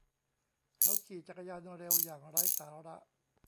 เขาขี่จักรยานเร็วอย่างไร้สาระ